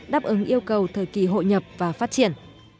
đáp ứng yêu cầu thời kỳ hội nhập và phát triển